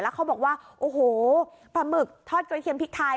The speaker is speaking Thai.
แล้วเขาบอกว่าปลาหมึกทอดกระเทียมพริกไทย